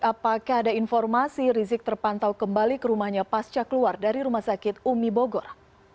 apakah ada informasi rizik terpantau kembali ke rumahnya pasca keluar dari rumah sakit umi bogor